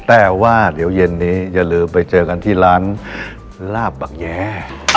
แต่ว่าเดี๋ยวเย็นนี้อย่าลืมไปเจอกันที่ร้านลาบบักแย้